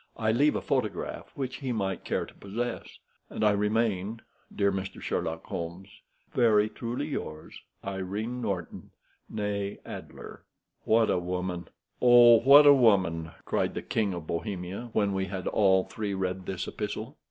I leave a photograph which he might care to possess; and I remain, dear Mr. Sherlock Holmes, very truly yours, "IRENE NORTON, née ADLER." "What a woman—oh, what a woman!" cried the King of Bohemia, when we had all three read this epistle.